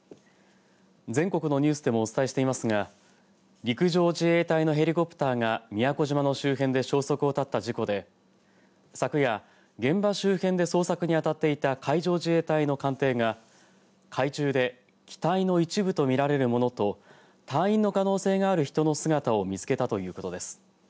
全国のニュースでもお伝えしていますが陸上自衛隊のヘリコプターが宮古島の周辺で消息を絶った事故で昨夜、現場周辺で捜索に当たっていた海上自衛隊の艦艇が海中で機体の一部と見られるものと隊員の可能性がある人の姿を見つけたということです。